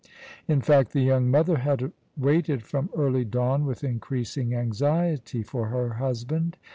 In fact, the young mother had waited from early dawn with increasing anxiety for her husband.